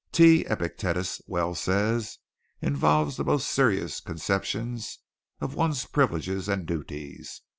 Tea, Epictetus well says, involves the most serious conceptions of one's privileges and duties.